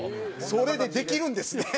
それでできるんですね。